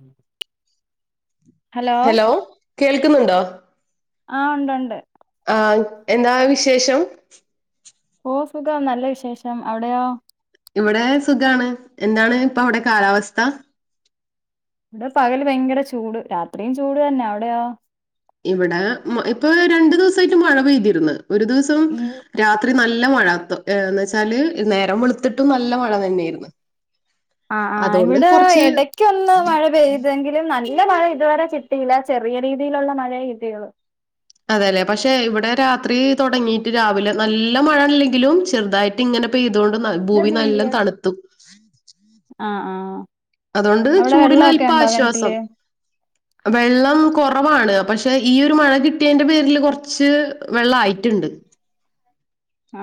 ഉം ഹലോ കേൾക്കുന്നുണ്ടോ ആഹ് ഉണ്ട് ഉണ്ട് ആഹ് എന്താണ് വിശേഷം ഓ സുഖം നല്ല വിശേഷം അവിടെയോ ഇവിടെ സുഖാണ്. എന്താണ് ഇപ്പം അവിടെ കാലാവസ്ഥ ഇവിടെ പകൽ ഭയങ്കര ചൂട്, രാത്രിയും ചൂട് തന്നെയാ. അവിടെയോ ഇവിടെ ഇപ്പൊ രണ്ടു ദിവസായിട്ട് മഴ പെയ്തിരുന്ന്. ഒരു ദിവസം ഉം രാത്രി നല്ല മഴ എന്ന് വെച്ചാല്, നേരം വെളുത്തിട്ടും നല്ല മഴ തന്നെയായിരുന്നു ആ ആ അതുകൊണ്ട് ഇവിടെ കുറച്ച് ഇടക്ക് ഒന്ന് മഴ പെയ്ത് എതെങ്കിലും നല്ല മഴ ഇതുവരെ കിട്ടിയില്ല ചെറിയ രീതിയിലുള്ള മഴയേ കിട്ടിയുള്ളൂ അതെല്ലെ പക്ഷെ ഇവിടെ രാത്രിയിൽ തുടങ്ങിയിട്ട് രാവിലെ നല്ല മഴ അല്ലെങ്കിലും ചെറുതായിട്ട് ഇങ്ങനെ പെയ്തുകൊണ്ട് ഭൂമി നല്ലോണം തണുത്തു. ആഹ് ആഹ് അതുകൊണ്ട് ചൂടിന് അല്പാശ്വാസം. വെള്ളം കൊറവാണ് പക്ഷെ ഈ ഒരു മഴ കിട്ടിയന്റെ പേരില് കുറച്ച് വെള്ളായിട്ടുണ്ട്.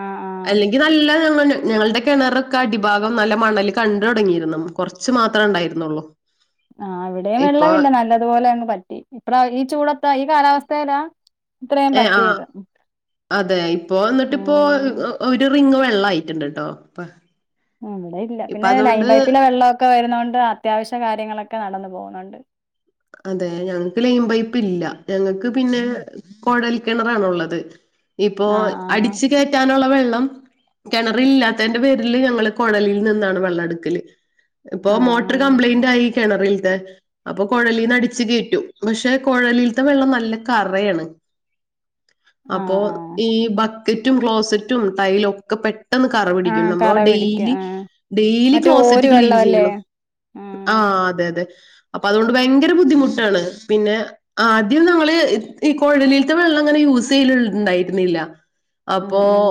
ആ ആ അല്ലെങ്കിൽ നല്ലതങ്ങനെ- ഞങ്ങളുടെ കെണറൊക്കെ അടിഭാഗം നല്ല മണ്ണൽ കണ്ട് തൊടങ്ങിയിരുന്നു. കൊറച്ചു മാത്രേ ഉണ്ടായിരുന്നൊള്ളൂ. ആഹ് ഇവിടെയും വെള്ളവില്ല. നല്ലതുപോലെ അങ്ങ് വറ്റി. ഇപ്പോ പ്ര ഈ ചൂടത്ത് ഈ കാലാവസ്ഥയിലാ ഇത്രയും ഏഹ് ആഹ് പറ്റിയത് അതെ ഇപ്പോ എന്നിട്ട് ഇപ്പോ ഉം ഒരു റിംഗ് വെള്ളം ആയിട്ടുണ്ടുട്ടോ ഇപ്പ- ഇവിടെ ഇല്ല പിന്നെ ലൈൻ പൈപ്പിലെ വെള്ളമൊക്കെ വരുന്നോണ്ട് അത്യാവശ്യ കാര്യങ്ങളൊക്കെ നടന്നു പോകുന്നൊണ്ട്. അതെ ഞങ്ങൾക്ക് ലൈൻ പൈപ്പ് ഇല്ല. ഞങ്ങൾക്ക് പിന്നെ കൊഴൽ കെണറാണുള്ളത്. ഇപ്പോ ആഹ് അടിച്ചു കയറ്റാനുള്ള വെള്ളം. കെണറില്ലാത്തന്റെ പേരില് ഞങ്ങള് കൊഴലിൽ നിന്നാണ് വെള്ളം എടുക്കല്. ഇപ്പൊ ആഹ് മോട്ടോർ ആഹ് കംപ്ലൈന്റ് ആയി കെണറിലത്തെ. അപ്പൊ കൊഴൽ അടിച്ചു കേറ്റും. പക്ഷെ കൊഴലിൽത്തെ വെള്ളം നല്ല കറയാണ്. ആഹ് അപ്പോ ആഹ് ഈ ബക്കറ്റും, ക്ലോസറ്റും ടൈലൊക്കെ പെ ട്ടെന്ന് കറ പിടിക്കും. ആഹ് നമ്മൾ കറ പിടിക്കും ഡെയിലി, ആഹ് ഡെയിലി മറ്റേ ക്ലോസറ്റ് ഓരു ക്ലീൻ വെള്ളവല്ലേ ചെയ്യണം. ഉം ആഹ് അതെ, അതെ അപ്പൊ അതുകൊണ്ട് ഭയങ്കര ബുദ്ധിമുട്ടാണ്. പിന്നെ ആദ്യം നമ്മള് ഈ കൊഴലിലത്തെ വെള്ളം അങ്ങനെ യൂസ് ചെയ്യല ഉണ്ടായിരുന്നില്ല. ഉം അപ്പോ ഉം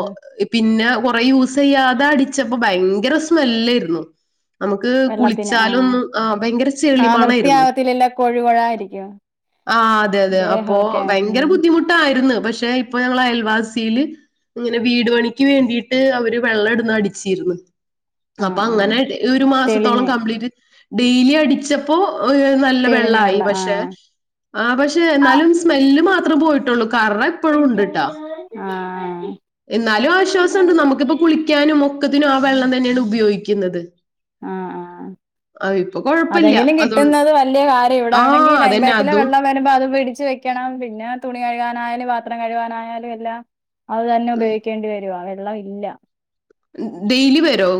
പിന്നെ കൊറേ യു സ് ചെയ്യാതെ അടിച്ചപ്പോ ഭയങ്കര സ്മെല്ലായിരുന്നു. നമുക്ക് വെള്ളത്തിന് കുളിച്ചാലൊന്നും ആഹ് ഭയങ്കര ചെളിമണം അയിരുന്നു. പിന്നല്ലെ കൊഴുവ. ആഹ് അതെ അതെ അപ്പോ ദേഹമൊക്കെ ഉം ഭയങ്കര ബുദ്ധിമു ട്ടായിരുന്നു. പക്ഷെ ഇപ്പൊ ഞങ്ങളെ അയൽവാസിയില് ഇങ്ങനെ വീട് പണിക്ക് വേണ്ടിട്ട് അവര് വെള്ളം ഇവിടുന്ന് അടിച്ചിരുന്ന്- അപ്പൊ ആഹ് ആഹ് അങ്ങനെ ഒരു മാസത്തോളം തെളിഞ്ഞ് കംപ്ലീറ്റ് ഡെയിലി അടിച്ചപ്പോൾ ഒരു നല്ല നല്ല തെളിഞ്ഞ വെള്ളം ആയി. പക്ഷേ ആഹ് പക്ഷേഎന്നാലും സ്മെൽ മാത്രേ പോയിട്ടുള്ളൂ കറ ഇപ്പഴും ഉണ്ട് ട്ടാ. ആഹ് എന്നാലും ആശ്വാസം ഉണ്ട്. നമുക്കിപ്പൊ കുളിക്കാനും ഒക്കത്തിനും ആ വെള്ളം തന്നെയാണ് ഉപയോഗിക്കുന്നത്. ആഹ് ആഹ് അഹാ ഇപ്പൊ കൊഴ അതെങ്കിലും കിട്ടുന്നത് വലിയ കാര്യം. ഇവിടെ ആ ആണെങ്കിൽ ലൈൻ അതന്നെ പൈപ്പിലെ അതും വെള്ളം വരുമ്പോ അത് പിടിച്ച് വെക്കണം. പിന്നെ തുണി കഴുകാനായാലും പാത്രം കഴുകാനായാലും എല്ലാം അത് തന്നെ ഉപയോഗിക്കേണ്ടി വരുവാ വെള്ള വില്ല. ഡെയിലി വരോ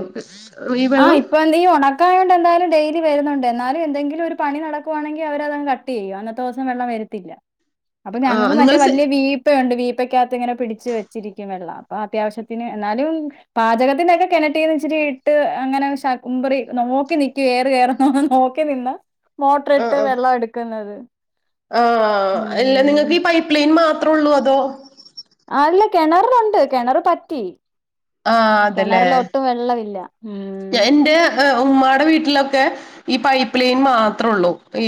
ഈ വെള്ളം ഇപ്പോൾ എന്തെങ്കിലും ഉണക്കായോണ്ട് എന്തായാലും ഡെയിലി വരുന്നൊണ്ട്. എന്നാലും എന്തെങ്കിലും ഒരു പണി നടക്കു ആണെങ്കിൽ അവര് അതങ് കട്ട് ട്ട്ചെയ്യും. അന്നത്തെ ദിവസം വെള്ളം വരുത്തി [inaudible] അപ്പൊ ആ ഞങ്ങള് നിങ്ങൾ മറ്റേ സെ- വലിയ വീപ് പ്പണ്ട് വീപ്പക്കകത്ത് ഇങ്ങനെ പിടിച്ച് വെച്ചിരിക്കും വെള്ളം അപ്പൊ അത്യാവശ്യത്തിന് എന്നാലും പാചകത്തിനൊക്കെ കിണറ്റിന്ന് ഇച്ചിരി. ഇട്ട് അങ്ങനെ ശ ഉമ്പറി നോക്കി നിക്കു എയറ് കേയറ നോക്കി നിന്ന് മോട്ടറി ഇട്ട് വെള്ളം എടുക്കുന്നത്. ആഹ് അല്ല ഉം നിങ്ങൾക്ക് ഈ പൈപ്പ് ലൈൻ മാത്രേ ഉള്ളൂ അതോ? ആല്ല കെണറിലൊണ്ട് കെണർ പറ്റി ആ അതല്ലേ കെണറില് ഒട്ടും വെള്ളവില്ല. എന്റെ ഉമ്മായീടെ വീട്ടിലൊക്കെ ഈ പൈപ്പ് ലൈൻ മാത്രള്ളൂ ഈ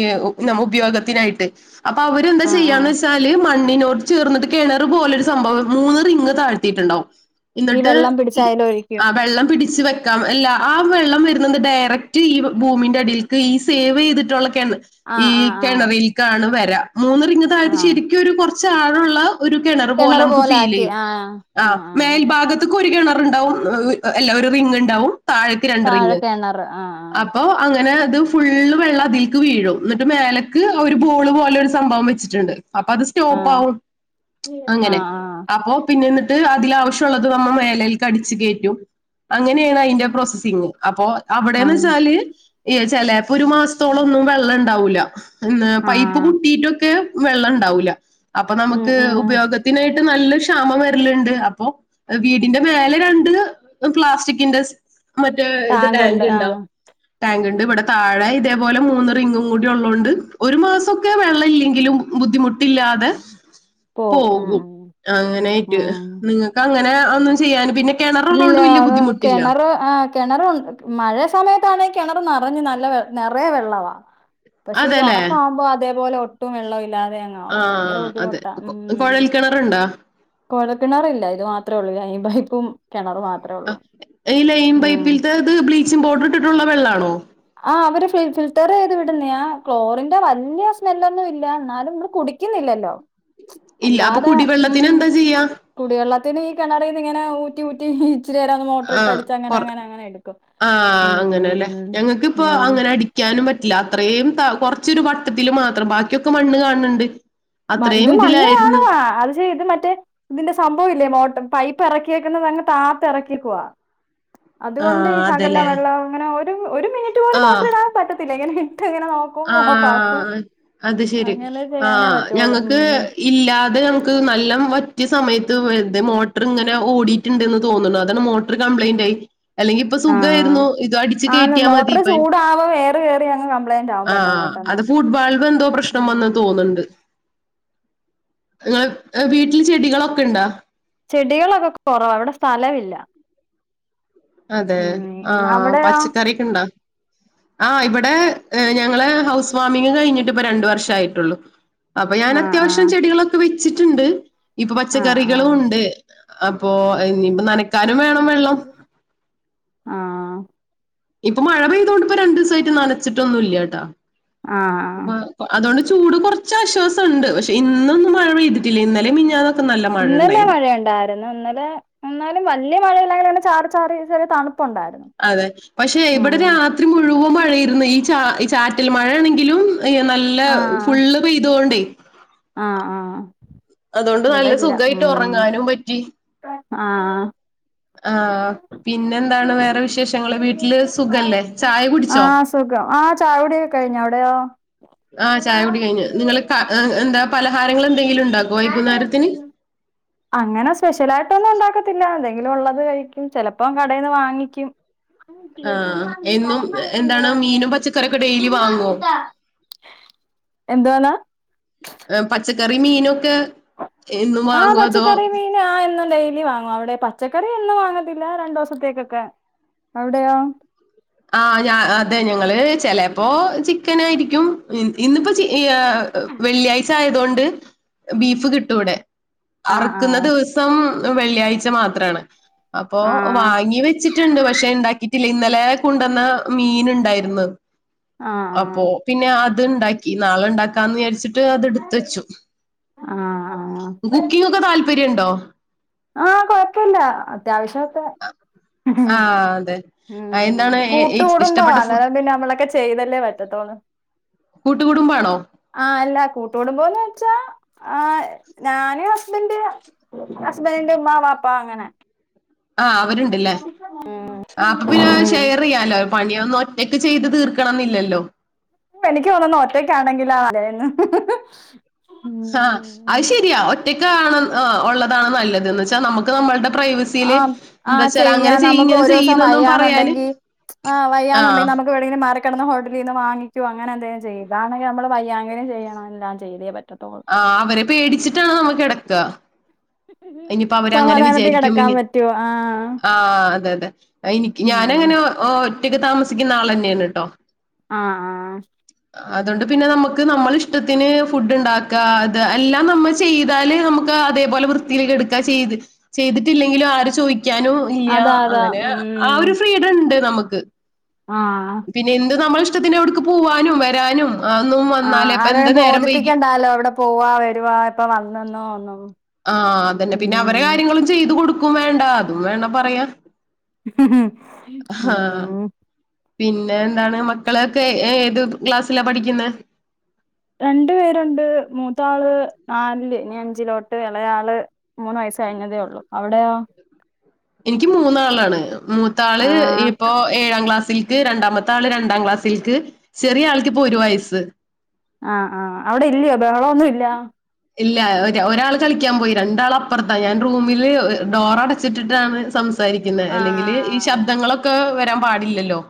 ന ഉപയോഗത്തിനായിട്ട് അപ്പൊ അവര്ന്താ ആഹ് ആഹ് ചെയ്യാന്ന് വെച്ചാല് മണ്ണിനോട്ട് ചേർന്നിട്ട് കിണറ് പോലൊരു സംഭവം മൂന്ന് റിങ്ങ് താഴ്ത്തിട്ടുണ്ടാവും. ഈ എന്നിട്ട് വെള്ളം പിടിച്ച് ഈ അയില് ഒഴിക്കും ആഹ് വെള്ളം പിടിച്ച് വെ ക്കാം അല്ല ആ വെള്ളം വരുന്നത് ഡയറക്റ്റ് ഈ ഭൂമിന്റെ അടിൽക്ക് ഈ സേവ് ചെയ്തിട്ടുള്ളൊക്കെയ ഈ ആഹ് ആഹ് ആഹ് കിണറിൽക്കാണ് വരാ മൂന്ന് റിംങ്ങ് തഴച്ച ആഹ് ശരിക്കും ഒരു കുറച്ച് ആഴള്ള ഒരു കിണറ് പോലെ നമുക്ക് ഫീൽ ചെയ്യും ആഹ് മേൽ ഭാഗത്തേക്ക് ഒരു കിണറുണ്ടാവും അല്ല ഒരു റിംഗ് ഉണ്ടാവും താഴ് ക്ക് താഴെ രണ്ടറിംഗ് കിണറ് ആഹ് ആഹ് അപ്പൊ അങ്ങനെ അത് ഫുള്ള് വെള്ളം അതിൽക്ക് വീഴും എന്നിട്ട് മേലേക്ക് അവര് ബോള് പോലെ ഒരു സംഭവം വെച്ചിട്ടുണ്ട് അപ്പൊ അത് സ്റ്റോപ്പ് ആകും ആഹ് അങ്ങനെ ആഹ് അപ്പൊ പിന്നെന്നിട്ട് അതിൽ ആവശ്യഉള്ളത് നമ്മ മേലേൽക്ക് അടിച്ച് കയറ്റും അങ്ങനെ യെയാണ് അതിന്റെ പ്രോസസിങ് അപ്പൊ അവിടെന്ന് ആഹ് വെച്ചാല് എ ചിലപ്പോ ഒരു മാസത്തോളം ഒന്നും വെള്ളം ഇണ്ടാവൂല്ല ന്ന് പൈപ്പ് ആഹ് കുട്ടീട്ടൊക്കെ വെള്ളം ഉണ്ടാവൂല അപ്പൊ ഉം നമുക്ക് ഉം ഉപയോഗ ത്തിനായിട്ട് നല്ല ക്ഷാമം വരലുണ്ട് അപ്പോ വീടിന്റെ മേലെ രണ്ട് പ്ലാസ്റ്റിക് ക്കിൻ്റെസ് മറ്റേ ഇത് ടാങ്കുണ്ട് ടാങ്ക് ആഹ് ഉണ്ടാവും ടാങ്ക് ഉണ്ട് ഇവിടെ താഴെ ഇതേപോലെ മൂന്ന് റിംങ്ങും കൂടി ഉള്ളതോണ്ട് ഒരു മാസമൊക്കെ വെള്ളം ഇല്ലെങ്കിലും ബുദ്ധിമുട്ടില്ലാതെ പോവും ഉം പോകും ഉം അങ്ങനൊയിട്ട് ഉം നിങ്ങൾക്ക് അങ്ങനെ ഒന്നും ചെയ്യൻ പിന്നെ കിണറ് ഉള്ള ഇല്ല കൊണ്ട് വല്ല്യ അത് ബുദ്ധിമുട്ട് കിണറ് ആ കിണറുണ്ട് മഴ സമയത്താണെ കിണറ് നിറഞ്ഞ് നല്ല നിറയെ വെള്ളവാ പക്ഷെ ഈ അതെല്ലേ ഉണക്കാകുമ്പോ അതേപലെ ഒട്ടും വെള്ളം ഇല്ലാതെ അങ്ങ് ആഹ് അതെ കുഴൽ കിണറുണ്ടോ കോഴക്കിണറ് ഇല്ല ഇത് മാത്രേള്ളൂ കൈ പൈപ്പും കിണറും മാത്രം അഹ് ഈ ലൈൻ പൈപ്പിലത്തെ ഇത് ബ്ലീച്ചിങ് പൗഡർ ഇട്ടിട്ടുള്ള വെള്ളാണോ ആ അവര് ഫിൽറ്റർ ചെയ്ത് വിടുന്നയാ ക്ലോറിന്റെ വലിയ സ്മെല്ലൊന്നും ഇല്ല എന്നാലും മ്മള് കുടി ക്കുന്നില്ലല്ലോ ഇല്ല അപ്പൊ അല്ലാതെ ഉം കുടിവെള്ളത്തിന് മ് എന്താ ചെയ്യാ കുടിവെള്ളത്തിന് ഈ കിണറിന്ന് ഇങ്ങനെ ഊറ്റി ഊറ്റി ഇച്ചിരിയേരം അങ് മോട്ടർ ഇട്ട് ആഹ് അടിച്ച് അങ്ങനെ കൊറ അങ്ങനെ അങ്ങനെ എടുക്കും ആഹ് ഉം ഉം ഹ് ഉം ക്കാനും പറ്റില്ല അത്രയും താ കുറച്ചൊരു വട്ടത്തി മാത്രം ബാക്കിയൊക്കെ മണ്ണ് കാണണുണ്ട് മ ഇത് മണ്ണ് കാണുവാ അത് ഇത് മറ്റേ ഇതിന്റെ സംഭവം ഇല്ലേ മോട്ടർ പൈപ്പ് ഇറക്കിയേക്കുന്നത് അങ്ങ് താത്ത് ഇറക്കിക്കുവാ അതുകൊണ്ട് ആഹ് ശകല അതെല്ലേ വെള്ളം അങ്ങനെ ഒരു ഒരു മിനിറ്റ് പോലും ആഹ് ഓട്ടർ ഇടാൻ പറ്റത്തില്ല ഇങ്ങനെ ഇട്ട് ഇങ്ങനെ നോ ആഹ് അത് ശെരി അങ്ങനെ ആ ചെയ്യാനേ പറ്റുള്ളൂ ഉം ഞങ്ങൾക്ക് ഉം ഇല്ലാതെ ഞങ്ങക്ക് നല്ലം റ്റിയ സമയത്ത് മോട്ടർ ഇങ്ങനെ ഓടിയിട്ടുണ്ടെന്ന് തോന്നുന്നു അതാണ് മോട്ടർ കംപ്ലൈന്റ് ആയി അല്ലെങ്കി ഇപ്പൊ ആഹ് സുഖമായിരുന്നു ഇതു അടിച്ച് കയറ്റിയാൽ മതി ഇപ്പയ് ട്ട് കേറിയങ്ങ് കം ആഹ് അത് ഫുഡ് വാൽവ് എന്തോ പ്രശ്നം വന്ന് ഉം തോന്നുന്നുണ്ട് നിങ്ങള് വീട്ടില് ചെടികളൊക്കെ ഉണ്ടാ ചെടികളൊക്കെ കുറവ അവിടെ സ്ഥലമില്ല അതെ ഉം ആഹ് അവിടെയോ പച്ചക്കക്കെ ഇണ്ടാ ആഹ് ഇവിടെ ഞങ്ങള് ഹൗസ് വാമിംഗ് കഴിഞ്ഞിട്ട് ഇപ്പ രണ്ട് വർഷം ആയിട്ടുള്ളു അപ്പൊ ഞാൻ ആഹ് അത്യാവശ്യം ആഹ് ചെടികളൊക്കെ വെച്ചിട്ടുണ്ട് ഇപ്പൊ ആഹ് പച്ചക്കറികളും ആഹ് ഉണ്ട് അപ്പൊ ഇനിപ്പ നനക്കാനും വേണം വെള്ളം ആഹ് ഇപ്പം മഴ പെയ്തോണ്ടിപ്പ രണ്ടൂസായിട്ട് നനച്ചിട്ടൊന്നു ഇല്ല്യാട്ടൊ ആഹ് ആ അതോണ്ട് ചൂട് കൊറച്ച് ആശ്വാസൊണ്ട് പക്ഷെ ഇന്നൊന്നും മഴ പെയ്തിട്ടില്ല ഇന്നലെം മിനിഞ്ഞാനൊ ഇന്നലെ മഴയൊണ്ടായി പിന്നെ ഇന്നലെ എന്നാലും വല്യ മഴയില്ലെങ്കിലും അങ്ങനെ ചാറി ചാറി ചെറിയ തണുപ്പൊണ്ടാര്ന്ന് അതെ പക്ഷെ ഇവടൊരാ രാത്രി മുഴുവൻ മഴയാര്ന്ന് ഈ ച ഈ ചാറ്റൽ മഴേണെങ്കിലും നല്ല ആഹ് ഫുള്ള് പെയ്തൊണ്ടേ ആഹ് ആഹ് അതോണ്ട് ഇവിടെ നല്ല ഇല്ല സുഖായിട്ട് ഉം ഒറങ്ങാനും പറ്റി ആഹ് ആഹ് പിന്നെന്താണ് വേറെ വിശേഷങ്ങള് വീട്ടില് സുഖല്ലേ ചായ കുടി ആഹ് സുഖം ആഹ് ചായുടിയൊക്കെ കഴിഞ്ഞു അവിടെയോ ആഹ് ചായ കുടി കഴിഞ്ഞ് നിങ്ങള് ക എന്താ പലഹാരങ്ങൾ എന്തെങ്കിലും ഉണ്ടാ അങ്ങനെ സ്പെഷ്യലായിട്ടൊന്നും ഒണ്ടാക്കത്തില്ല എന്തെങ്കിലും ഒള്ളത് കഴിക്കും ചെലപ്പം കടേന്ന് വാങ്ങിക്കും ആഹ് എന്നും എന്താണ് മീനും പച്ചക്കറിയൊക്കെ ഡെയിലി വാങ്ങോ എന്തോന്ന് പച്ചക്കറിം മീനൊക്കെ എന്നും ആഹ് വാങ്ങോ അതോ പച്ചക്കറി മീ നാ എന്നും ഡെയിലി വാങ്ങും അവടെ പച്ചക്കറി എന്നും വാങ്ങത്തില്ല രണ്ടൂസത്തേക്കൊക്കെ അവടെയോ ആഹ് ഞ അതെ ഞങ്ങള് ചെലപ്പോ ചിക്കൻ ആരിക്കും ഇന്ന് ഇന്നിപ്പ ചി വെള്ളിയാഴ്ച്ച ആയതൊണ്ട് ബീഫ് കിട്ടൂ ടെ ആഹ് അറക്കുന്ന ആഹ് ദിവസ സം വെള്ളിയാഴ്ച മാത്രാണ് അപ്പോ ആഹ് വാങ്ങി വെ ച്ചിട്ട്ണ്ട് പക്ഷെ ഇണ്ടാക്കിട്ടില്ല ഇന്നലെ കൊണ്ടുന്ന മീൻ ഇണ്ടാരുന്ന് അപ്പോ ആഹ് പിന്നെ അത്ണ്ടാക്കി നാളെ ഇണ്ടാക്കാന്ന് വിയാരിച്ചിട്ട് അത് ആഹ് ടുത്തെച്ചു ആഹ് ആഹ് കുക്കിംങ്ങൊക്കെ താല്പര്യണ്ടോ ആഹ് കൊഴപ്പില്ല അത്യാവശ്യം ക്കെ ആ അതെ ആ, ഉം എന്താണ് ഏ- കൂട്ടു ഏ- കുടുംബ ഇഷ്ടപ്പെട്ട മാന്ന് ഫുഡ് ന്നാ പിന്നെ നമ്മളൊക്കെ ചെയ്തല്ലേ പറ്റത്തോള് കൂട്ടുകുടുംബാണോ ആഹ് അല്ല കൂട്ടുകുടുംബോന്ന് വെച്ചാ ആഹ് ഞാന് ഹസ്ബന്റ് ഹസ്ബൻറ്റിന്റെ ഉമ്മാ വാപ്പ അങ്ങനെ ആഹ് അവര്ണ്ട്ല്ലേ ഉം ആഹ് അപ്പ പിന്നെ ഷെയറെയ്യാലോ പണിയൊന്നും ഒറ്റക്ക് ചെയ്ത് തീർക്കണംന്നില്ലല്ലോ എനിക്ക് തോന്ന്ന്ന ഒറ്റക്കാണെങ്കിലാ നല്ലേന്ന് ആഹ് അഹ് ശരിയാ ഒറ്റക്കാണന്ന് ഉം ഒള്ളതാണ് നല്ലത് എന്നച്ചാ നമുക്ക് നമ്മൾടെ പ്രൈവസി ആം ആഹ് ചെയ്യാം നമുക്ക് ഒരൂസം ചെയ്യന്നൊന്നും പറയാന് വയ്യാന്നൊണ്ടെങ്കി ആഹ് ആ വയ്യാന്നൊണ്ടെങ്കി നമ വേണെങ്കി മാറികെടന്ന് ഹോട്ടലീന്ന് വാങ്ങിക്കോ അങ്ങനെ എന്തേ ചെയ്ത ഇതാണെങ്കി നമ്മള് വയാങ്കിലും ചെയ്യണം എല്ലാം ചെയ്തേ പറ്റത്തൊള്ള് ആഹ് അവരെ പേടിച്ചിട്ടാണ് നമ്മ കെടക്ക ഇനിപ്പോ അവരങ്ങനെ സമാധാനത്തി വിചാരിക്കും കിടക്കാൻ ഇങ്ങ പറ്റോ ആഹ് ആഹ് അതെ അതെ എനിക്ക് ഉം ഞാനങ്ങനെ ഒറ്റക്ക് താമസിക്കുന്ന ആളന്നെയാണ് ട്ടോ ആഹ് ആഹ് അതോണ്ട് പിന്നെ നമുക്ക് നമ്മള ഇഷ്ടത്തിന് ഫുഡ് ഇണ്ടാക്ക അത് എല്ലാം നമ്മ ചെയ്താല് നമുക്ക് അതേപോലെ വൃത്തിലിക്ക് എട്ക്കാ ചെയ്ത് ചെയ്തിട്ടില്ലെങ്കിലും ആര് ചോയ്ക്കാനും ഇല്ല്യ അതാ അതാ അങ്ങനെ ആ ഉം ഒരു ഫ്രീഡണ്ട് നമ്മക്ക് ആഹ് പിന്നെ എന്ത് നമ്മള ഇഷ്ടത്തിന് എവിട്ക്ക് പോവാനും വരാനും അതൊന്നും ആഹ് വന്നാലേ ഇപ്പ എന്ത് ആരേം നേരം വൈകി ബോധിപ്പിക്കണ്ടാലോ എവടെ പോവാ വരുവ എപ്പ വന്നന്നോ ഒന്നും ആഹ് അതന്നെ പിന്നെ അവരെ ഉം കാര്യങ്ങളും ചെയ്ത് കൊടുക്കും വേണ്ട അതും വേണം പറയാ മ് ആഹ് പിന്നെ എന്താണ് മക്കളൊക്കെ ഏ ഏത് ക്ലാസ്സിലാ പഠിക്കുന്നേ രണ്ട് പേരുണ്ട് മൂത്താള് നല് ല് ഇനി അഞ്ചിലോട്ട് ഇളയാള് മൂന്ന് വയസ്സ് കഴിഞ്ഞതേ ഒള്ളു അവിടെയെ എനിക്ക് മൂന്നാളാണ് മൂത്താള് ആഹ് ഇപ്പോ ഏഴാം ക്ലാസ്സിൽക്ക് രണ്ടാമത്തെ ആൾ രണ്ടാം ക്ലാസ്സൽക്ക് ചെറിയ ആൾക്ക്ഇപ്പോൾഒരു വയസ്സ് ആഹ് ആഹ് അവിടെ ഇല്ലയോ ബഹളൊന്നും ഇല്ല ഇല്ല ഒരാ ഒരാൾ കളിക്കാൻ പോയി രണ്ടാൾ അപ്പുറത്താ ഞാൻ റൂമില് ഡോർ അടച്ചിട്ടിട്ടാണ് സംസാ സാരിക്കുന്നേ ആഹ് അല്ലെങ്കില് ഈ ആഹ് ശബ്ദങ്ങളൊക്കെ വരാൻ പാടില്ലല്ലോ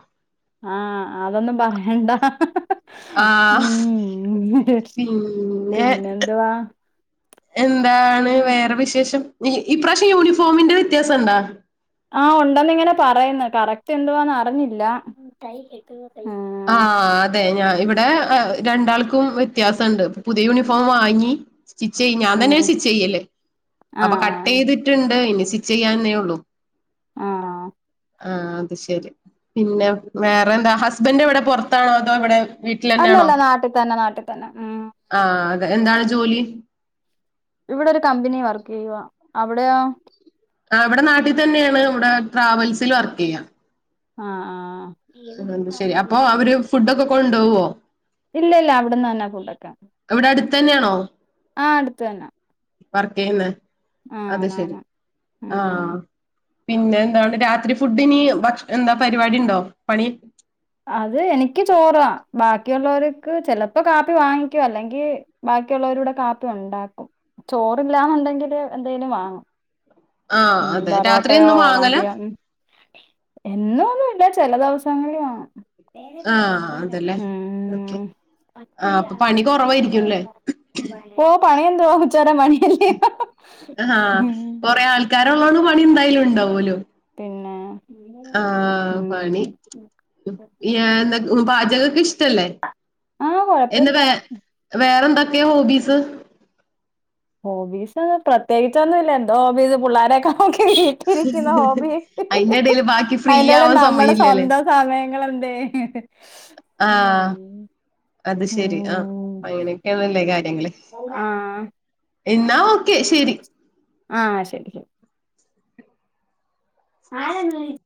ആഹ് അതൊന്നും പറയണ്ട ആഹ് ഉം പിന്നെ പിന്നെന്തവാ എന്താണ് വേറെ വിശേഷം ഇപ്രാവശ്യം യൂണിഫോമിന്റെ വ്യത്യാസം എന്താ ആഹ് ഉണ്ടെന്നിങ്ങനെ പറയുന്ന കറക്റ്റ് എന്തുവാന്ന് അറിഞ്ഞില്ല ആ അതെ ഞാൻ ഇവിടെ രണ്ടാൾക്കും വ്യത്യാസം ഉണ്ട് പുതിയ യൂണിഫോം വാങ്ങി സ്റ്റിച്ച് ചെയ ഞാൻ ആഹ് തന്നെ ആഹ് സ്റ്റിച്ച് ചെയ്യല് അപ്പൊ കട്ട് ആഹ് ചെയ്തിട്ടുണ്ട് ഇനി സ്റ്റിച്ച് ചെയ്യന്നേ ഉള്ളൂ ആഹ് ആഹ് അത് ശെരി പിന്നെ വേറെ എന്താ ഹസ്ബൻഡ് ഇവിടെ പുറത്താണോ അതോ ഇവിടെ വീട്ടിൽന്നെയാണോ അല്ലല്ല നാട്ടിൽ തന്നെ നാട്ടിൽ തന്നെ ഉം ആഹ് അത എന്താണ് ജോലി ഇവിടെ ഒരു കമ്പനി വർക്ക്യ്യുവ അവിടെയോ ആ ഇവിടെ നാട്ടിൽ തന്നെയാണ് ഇവിടെ ട്രാവൽസിൽ വർക്ക് യ്യുവ ആഹ് ആഹ് ആ അ ശെരി അപ്പൊ അവര് ഫുഡ ഒക്കെ കൊണ്ടുവോ ഇല്ല ഇല്ല അവിടന്ന് തന്നെ കൊണ്ടക്കൻ ഇവിടെ അടുത്ത തന്നെയാണോ ആഹ് അടുത്തന്നെ വർകയ്ന്ന അത് ശരി ആന്ന് ഉം ആഹ് പിന്നെ എന്ത രാത്രി ഫുഡിന് ഭക്ഷ എന്താ പരിപാടി ഉണ്ടോ പണി അത് എനിക്ക് ചോറാ ബാക്കിയുള്ളവർക്ക് ചെലപ്പോ കാപ്പി വാങ്ങിക്കും അല്ലെങ്കി ബാക്കിയുള്ളവരുടെ കാപ്പി ഉണ്ടാക്കും ചോറ് ഗ്രാമ ഉണ്ടെങ്കില് എന്തേങ്കിലും വാങ്ങും ആഹ് ഉം അതെ രാത്രി പറോട്ടയോ ഒന്നും വാങ്ങല വതിയം എന്നൊന്നും ഇില്ല ചില ദിവസങ്ങളിലുംണ് ആഹ് അതല്ലേ ഉം [inaudible] ഓക്കെ ആഹ് അപ്പൊ പണി കുറവായിരിക്കുംല്ലേ പോ ഓ പണിയ എനതുവ ഉച്ചാര് പണി പണിയല്ലേ ആഹ് കൊറെ ആൾക്കാരള്ളണ്ട് പണി എന്തായാലും ഉണ്ടാവുലോ പിന്നെ ആഹ് പണി ഉം ന്ത പാചകക്കെ ഇഷ്ടല്ലേ ആഹ് എന്നെ കൊഴപ്പല്ല വേ വേറെ എന്തൊക്കെയ ഹോബീസ് ഹോബീസ് പ്രത്യേകിച്ചൊന്നുല്ല എന്തോ ഹോബീസ് പിള്ളാരൊക്കെ നോക്കി ഹോബി അയിന്റെ ഇടയിൽ ബാക്കി ഫ്രീ അയിനട് ആവാൻ നമ്മുടെ സമയല്ലല്ലേ സ്വന്തം സമയങ്ങള എന്ത ആഹ് ഉം അത് ശെരി ആ അങ്ങനെയൊക്കെയണല്ലേ കാര്യങ്ങള് ആഹ് എന്നാ ഓക്കെ ശെരി ആ ശരി ശരി [unintelligible]